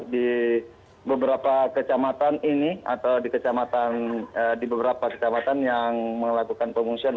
di beberapa kecamatan ini atau di beberapa kecamatan yang melakukan promosional